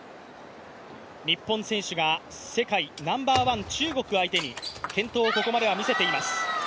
日本選手が世界ナンバーワン、中国相手に健闘をここまでは見せています。